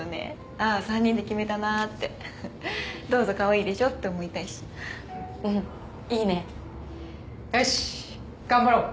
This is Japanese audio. ああー３人で決めたなってどうぞかわいいでしょって思いたいしうんいいねよし頑張ろう